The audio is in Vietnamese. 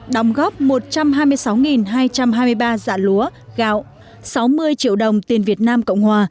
đóng góp một trăm hai mươi sáu hai trăm hai mươi ba dạ lúa gạo sáu mươi triệu đồng tiền việt nam cộng hòa